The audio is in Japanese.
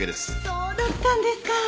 そうだったんですか！